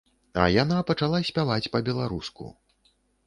А яна пачала спяваць па-беларуску.